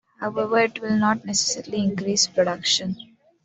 However, it will not necessarily increase production.